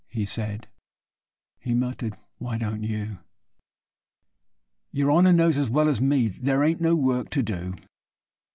he said (he muttered, 'Why don't you?'). 'Yer honer knows as well as me there ain't no work to do.